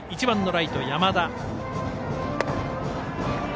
１番のライト、山田。